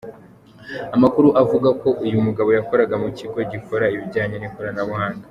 Amakuru avuga ko uyu mugabo yakoraga mu kigo gikora ibijyanye n’Ikoranabuhanga.